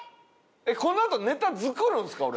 えっこのあとネタ作るんですか？